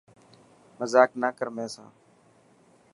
مزاڪ نه ڪر مين سان.